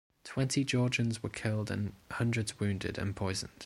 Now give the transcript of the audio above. Twenty Georgians were killed and hundreds wounded and poisoned.